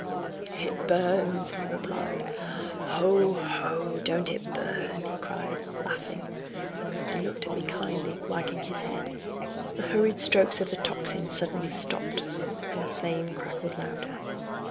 "It burns!" he replied; "ho! ho! don't it burn!" he cried, laughing, and looked at me kindly, wagging his head. The hurried strokes of the tocsin suddenly stopped, and the flame crackled louder.